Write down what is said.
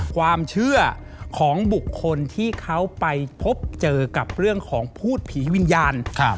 ความเชื่อของบุคคลที่เขาไปพบเจอกับเรื่องของพูดผีวิญญาณ